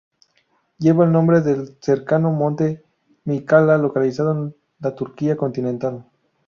Lleva el nombre del cercano monte Mícala localizado en la Turquía continental.